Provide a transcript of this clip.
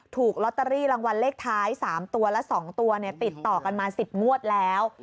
ถูกลอตเตอรี่รางวัลเลขท้าย๓ตัวและ๒ตัวติดต่อกันมา๑๐งวดแล้ว